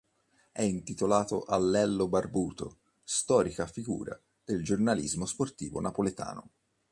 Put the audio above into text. È intitolato a Lello Barbuto, storica figura del giornalismo sportivo napoletano.